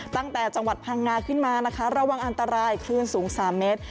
ตั้งแต่จังหวัดพังงาขึ้นมาระวังอันตรายคลื่นสูง๓เมตร